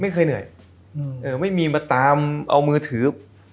เหนื่อยไม่มีมาตามเอามือถือ